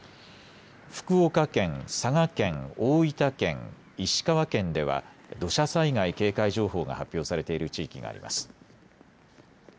福岡県、佐賀県、大分県、石川県では土砂災害警戒情報が発表されている地域があります。